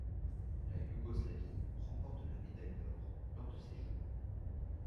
La Yougoslavie remporte la médaille d'or lors de ces Jeux.